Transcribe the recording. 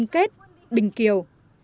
kết bình kiều